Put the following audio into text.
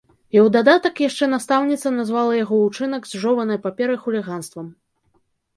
І ў дадатак яшчэ настаўніца назвала яго ўчынак з жованай паперай хуліганствам.